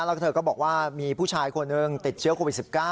แล้วเธอก็บอกว่ามีผู้ชายคนหนึ่งติดเชื้อโควิด๑๙